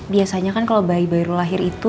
biasanya kan kalo bayi baru lahir itu